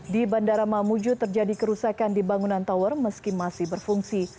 di bandara mamuju terjadi kerusakan di bangunan tower meski masih berfungsi